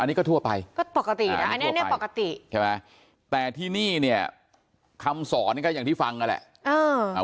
อันนี้ก็ทั่วไปแต่ที่นี่เนี่ยคำสอนก็อย่างที่ฟังก็แหละ